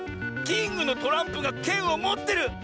キングのトランプがけんをもってる！